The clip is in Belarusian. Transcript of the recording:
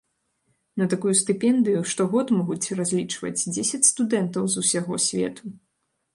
На такую стыпендыю штогод могуць разлічваць дзесяць студэнтаў з усяго свету.